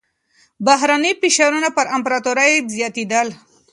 بهرني فشارونه پر امپراتورۍ زياتېدل.